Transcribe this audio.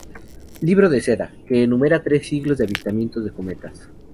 Libro de seda, que enumera tres siglos de avistamientos de cometas.